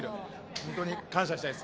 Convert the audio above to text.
本当に感謝したいです。